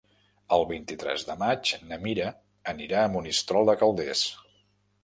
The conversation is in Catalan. El vint-i-tres de maig na Mira anirà a Monistrol de Calders.